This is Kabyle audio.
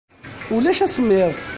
Ulac asemmiḍ.